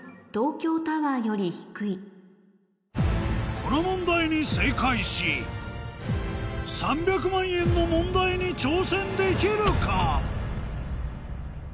この問題に正解し３００万円の問題に挑戦できるか？